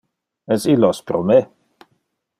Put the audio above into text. Es illos pro me?